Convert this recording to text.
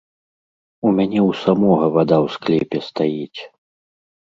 У мяне ў самога вада ў склепе стаіць.